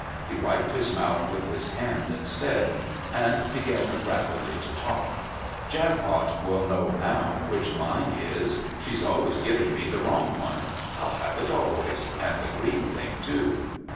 He wiped his mouth with his hand instead, and began rapidly to talk: "Jampot will know now which mine is. She's always giving me the wrong one. I'll have it always, and the green thing too."